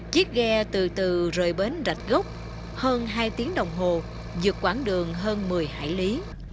chiếc ghe từ từ rời bến rạch gốc hơn hai tiếng đồng hồ dược quảng đường hơn một mươi hải lý